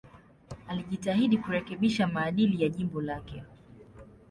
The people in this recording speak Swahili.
Alijitahidi kurekebisha maadili ya jimbo lake.